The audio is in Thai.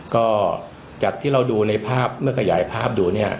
ก็จากที่เราดูในภาพเมื่อขยายภาพดูเนี่ย